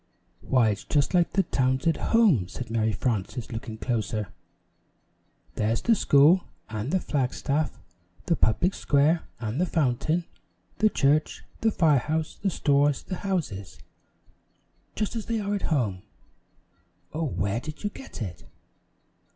"Why, it's just like the towns at home," said Mary Frances, looking closer. "There's the school and the flag staff, the public square and the fountain, the church, the fire house, the stores and houses just as they are at home! Oh, where did you get it?"